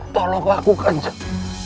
tolong aku ganjeng